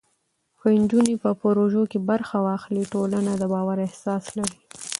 که نجونې په پروژو کې برخه واخلي، ټولنه د باور احساس لري.